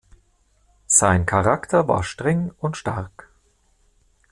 Sein Charakter war streng und stark.